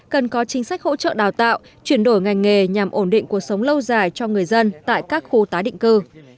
cần có chính sách hỗ trợ đào tạo chuyển đổi ngành nghề nhằm ổn định cuộc sống lâu dài cho người dân tại các khu tái định cư